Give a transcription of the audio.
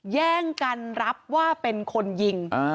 แย่งกันรับว่าเป็นคนยิง